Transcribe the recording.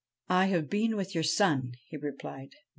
' I have been with your son,' he replied.